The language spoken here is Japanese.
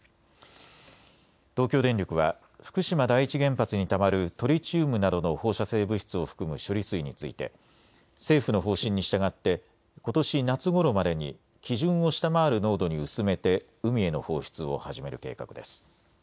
東京電力は福島第一原発にたまるトリチウムなどの放射性物質を含む処理水について政府の方針に従ってことし夏ごろまでに基準を下回る濃度に薄めて海への放出を始める計画です。